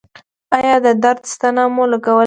ایا د درد ستنه مو لګولې ده؟